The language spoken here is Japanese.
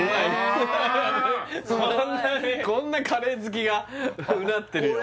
こんなカレー好きがうなってるよ